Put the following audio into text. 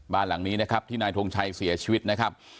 บ้านหลังนี้นะครับที่นายทงชัยเสียชีวิตนะครับ